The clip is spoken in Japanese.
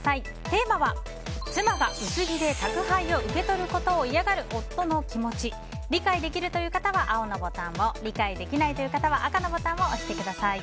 テーマは妻が薄着で宅配を受け取ることを嫌がる夫の気持ち理解できるという方は青のボタンを理解できないという方は赤のボタンを押してください。